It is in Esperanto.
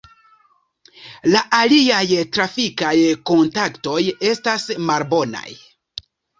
La aliaj trafikaj kontaktoj estas malbonaj.